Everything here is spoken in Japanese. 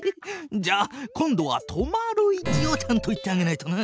じゃあ今度は止まる位置をちゃんと言ってあげないとな。